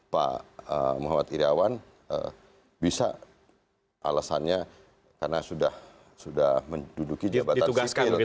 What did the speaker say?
pak muhammad iryawan bisa alasannya karena sudah menduduki jabatan sipil